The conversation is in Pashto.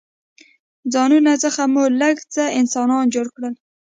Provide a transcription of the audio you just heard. ځانونو څخه مو لږ څه انسانان جوړ کړل.